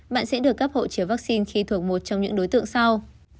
bạn sẽ được cấp hộ chiếu vaccine khi thuộc một trong những đối tượng sau